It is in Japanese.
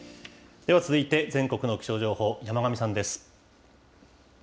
では続いて、全国の気象情報、山神さんです。